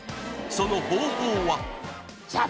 その方法はじゃ